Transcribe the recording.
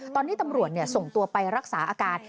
ตอนนี้ตำรวจส่งตัวไปรักษาอาการ